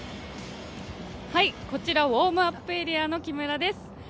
こちらウォームアップエリアの木村です。